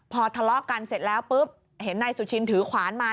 พอทะเลาะกันเสร็จแล้วปุ๊บเห็นนายสุชินถือขวานมา